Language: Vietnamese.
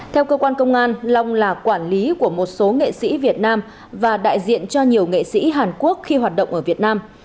theo cơ quan công an long là quản lý của một số nghệ sĩ việt nam và đại diện cho nhiều nghệ sĩ hàn quốc khi hoạt động ở việt nam